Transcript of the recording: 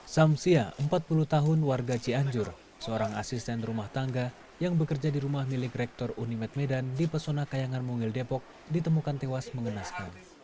samsia empat puluh tahun warga cianjur seorang asisten rumah tangga yang bekerja di rumah milik rektor unimed medan di pesona kayangan mungil depok ditemukan tewas mengenaskan